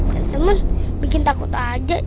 temen temen bikin takut aja